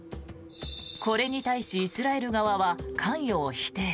これに対しイスラエル側は関与を否定。